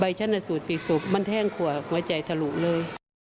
ใบชนะสูตรผิดสุขมันแทงคว่าหัวใจทะลุเลย